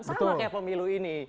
sama kayak pemilu ini